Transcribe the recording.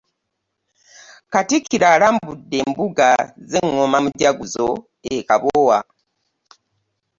Katikkiro alambudde embuga z'engoma mujaguzo e Kabowa